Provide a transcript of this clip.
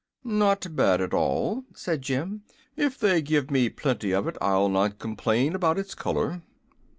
"Not bad at all," said Jim. "If they give me plenty of it I'll not complain about its color."